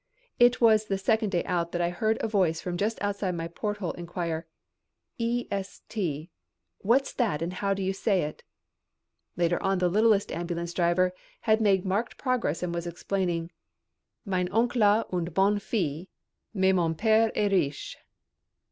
It was the second day out that I heard a voice from just outside my porthole inquire "E S T what's that and how do you say it?" Later on the littlest ambulance driver had made marked progress and was explaining "Mon oncle a une bonne fille, mais mon père est riche."